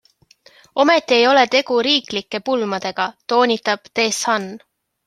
Ometi ei ole tegu riiklike pulmadega, toonitab The Sun.